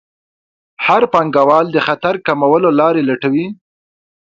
هر پانګوال د خطر کمولو لارې لټوي.